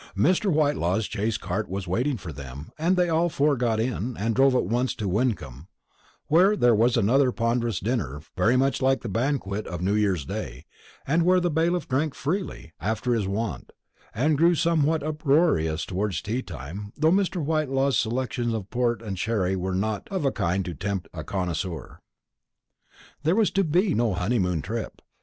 Mr. Whitelaw's chaise cart was waiting for them; and they all four got in, and drove at once to Wyncomb; where there was another ponderous dinner, very much like the banquet of new year's day, and where the bailiff drank freely, after his wont, and grew somewhat uproarious towards tea time, though Mr. Whitelaw's selections of port and sherry were not of a kind to tempt a connoisseur. There was to be no honeymoon trip.